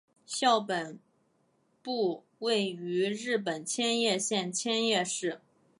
校本部位于日本千叶县千叶市。